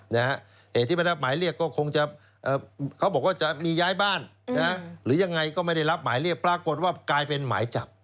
เหตุที่ไม่รับหมายเรียกก็คงจะเขาบอกว่าจะมีย้ายบ้านหรือยังไงก็ไม่ได้รับหมายเรียกปรากฏว่ากลายเป็นหมายจับ